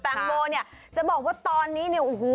แตงโมเนี่ยจะบอกว่าตอนนี้เนี่ยโอ้โห